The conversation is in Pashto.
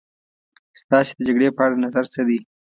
ستاسې د جګړې په اړه څه نظر دی.